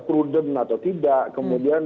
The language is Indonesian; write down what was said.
prudent atau tidak kemudian